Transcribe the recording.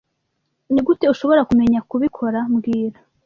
Nigute ushobora kumenya kubikora mbwira